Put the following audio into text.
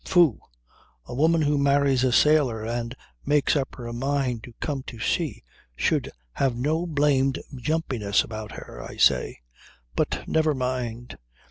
Phoo! A woman who marries a sailor and makes up her mind to come to sea should have no blamed jumpiness about her, I say. But never mind.